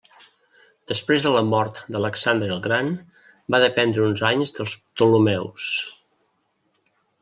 Després de la mort d'Alexandre el Gran va dependre uns anys dels Ptolemeus.